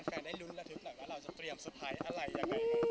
ฝากให้แฟนได้รุ้นระทุกหน่อยว่าเราจะเตรียมสุดท้ายอะไรอย่างไร